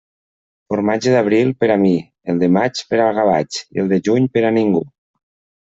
Formatge d'abril, per a mi; el de maig, per al gavatx, i el de juny, per a ningú.